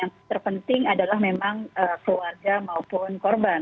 yang terpenting adalah memang keluarga maupun korban